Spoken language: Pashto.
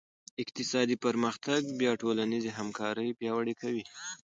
اقتصادي پرمختګ بیا ټولنیزې همکارۍ پیاوړې کوي.